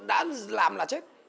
đã làm là chết